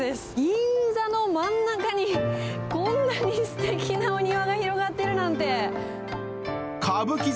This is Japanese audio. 銀座の真ん中に、こんなにすてきなお庭が広がっているなんて。